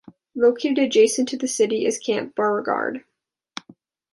Located adjacent to the city is Camp Beauregard.